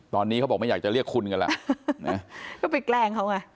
ตอนนี้เขาบอกไม่อยากจะเรียกคุณกันแล้วก็ไปแกล้งเขาไง